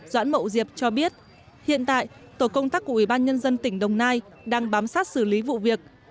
doanh nghiệp cho biết hiện tại tổ công tác của ủy ban nhân dân tỉnh đồng nai đang bám sát xử lý vụ việc